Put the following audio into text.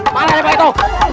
mana harimau itu